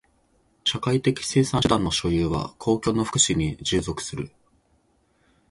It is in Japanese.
社会的生産手段の所有は公共の福祉に従属する。